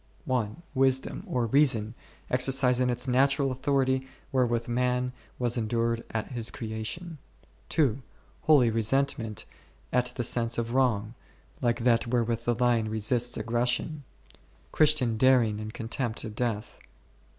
1. Wisdom or Reason exercising its natural authority, wherewith man was endued at his creation ; 2. Holy Resentment at the sense of wrong, like that wherewith the lion resists aggression ; Christian dar ing and contempt of death ; 3.